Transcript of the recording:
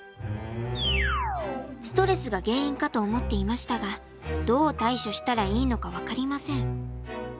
ストレスが原因かと思っていましたがどう対処したらいいのか分かりません。